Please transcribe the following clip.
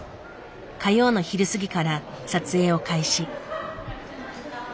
火曜の昼過ぎから撮影を開始。